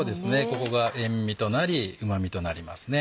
ここが塩味となりうま味となりますね。